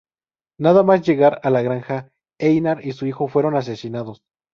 Nada más llegar a la granja, Einar y su hijo fueron asesinados.